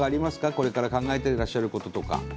これから考えていらっしゃることとか。